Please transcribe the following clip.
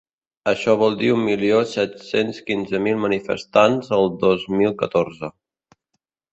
Això vol dir un milió set-cents quinze mil manifestants el dos mil catorze.